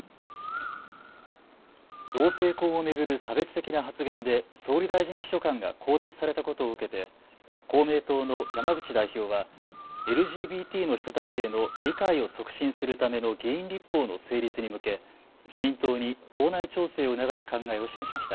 同性婚を巡る差別的な発言で総理大臣秘書官が更迭されたことを受けて公明党の山口代表はＬＧＢＴの人たちへの理解を促進するための議員立法の成立に向け自民党に党内調整を促す考えを示しました。